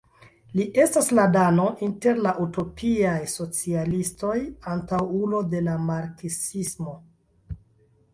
Li estas la Dano inter la “utopiaj socialistoj”, antaŭulo de la marksismo.